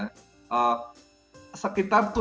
jadi kalau boleh kami ceritakan ya